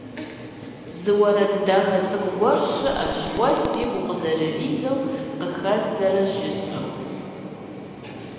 Зы уэрэд дахэ цӀыкӀу гуэр щыӀэщ уэ сигу укъызэрыридзэу къыхэздзэрэ жысӀэу.